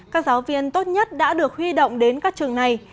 các giáo viên tốt nhất đã được huy động đến các trường này